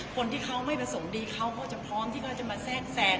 คนที่เขาไม่ประสงค์ดีเขาก็จะพร้อมที่เขาจะมาแทรกแทรง